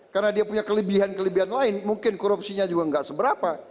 karena dia punya kelebihan kelebihan lain mungkin korupsinya juga tidak seberapa